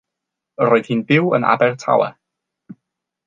Roedd hi'n byw yn Abertawe.